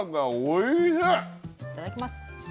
いただきます。